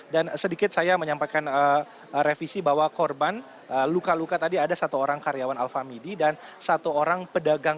dan sedikit saya menyampaikan revisi bahwa korban luka luka tadi ada satu orang karyawan alfa midi dan satu orang pedagang gorengan